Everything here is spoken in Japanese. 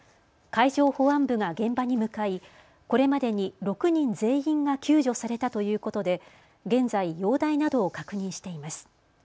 海上保安部が現場に向かいこれまでに６人全員が救助されたということで現在、容体などを確認しています。